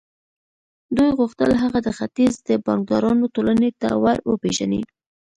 دوی غوښتل هغه د ختیځ د بانکدارانو ټولنې ته ور وپېژني